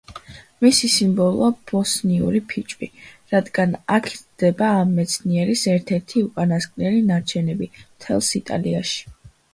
მისი სიმბოლოა ბოსნიური ფიჭვი, რადგან აქ იზრდება ამ მცენარის ერთ-ერთი უკანასკნელი ნარჩენები მთელს იტალიაში.